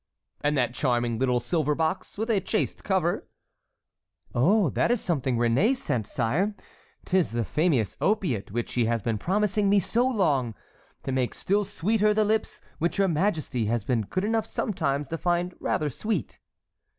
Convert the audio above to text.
"And that charming little silver box with a chased cover?" "Oh, that is something Réné sent, sire; 'tis the famous opiate which he has been promising me so long—to make still sweeter the lips which your majesty has been good enough sometimes to find rather sweet."